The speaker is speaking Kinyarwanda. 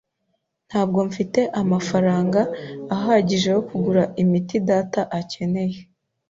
Ntabwo mfite amafaranga ahagije yo kugura imiti data akeneye.